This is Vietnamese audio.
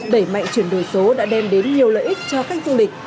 đẩy mạnh chuyển đổi số đã đem đến nhiều lợi ích cho khách du lịch